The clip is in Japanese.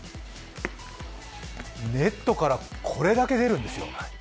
ネットからこれだけ出るんですよ。